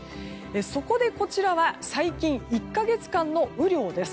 そこでこちらは最近１か月間の雨量です。